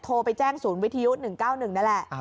โทรไปแจ้งศูนย์วิทยุ๑๙๑นั่นแหละ